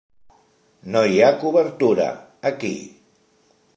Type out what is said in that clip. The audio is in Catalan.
No hi ha cobertura, aquí!